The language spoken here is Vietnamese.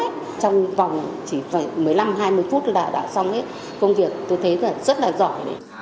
trong vòng chỉ một mươi năm hai mươi phút là đã xong công việc tôi thấy là rất là giỏi